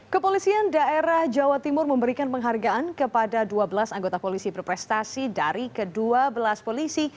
kepolisian daerah jawa timur memberikan penghargaan kepada dua belas anggota polisi berprestasi dari ke dua belas polisi